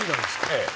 ええ。